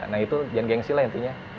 nah itu gen gengsi lah intinya